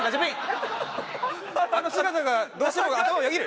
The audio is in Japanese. あの姿がどうしても頭をよぎる！